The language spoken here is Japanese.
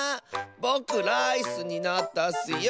ぼくライスになったッスよ！